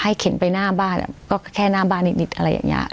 เข็นไปหน้าบ้านก็แค่หน้าบ้านนิดอะไรอย่างนี้